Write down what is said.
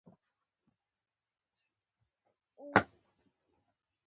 درنو استادانو ته مبارکي وايو،